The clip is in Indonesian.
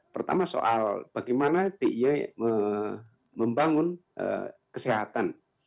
pertama soal bagaimana dia membangun kesehatan